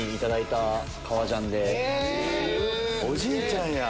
おじいちゃんや。